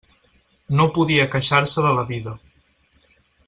No podia queixar-se de la vida.